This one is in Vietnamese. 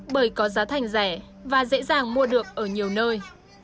bởi có giá thành rẻ và dễ dàng mua được ở nhiều nơi